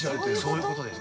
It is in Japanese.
◆そういうことです。